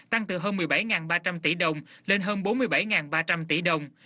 tăng từ hơn một mươi bảy ba trăm linh tỷ đồng lên hơn bốn mươi bảy ba trăm linh tỷ đồng